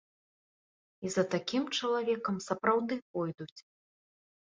І за такім чалавекам сапраўды пойдуць.